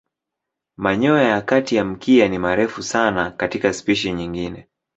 Manyoya ya kati ya mkia ni marefu sana katika spishi nyingine.